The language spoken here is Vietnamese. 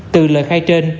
từ lời khai trên